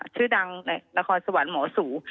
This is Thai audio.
ชื่อดังในละครสวรรค์หมอสู